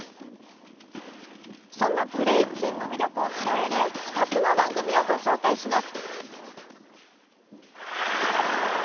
そんなブレイキンの魅力を伝える２つの番組をご紹介します。